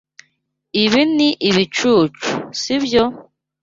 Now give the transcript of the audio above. Ibi ni ibicucu, sibyo?